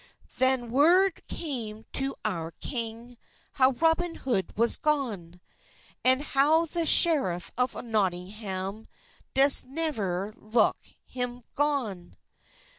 Than worde came to oure kynge, How Robyn Hode was gone, And how the scheref of Notyngham Durst neuer loke hyme vpone.